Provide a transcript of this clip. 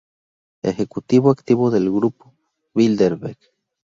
Ejecutivo activo del grupo Bilderberg.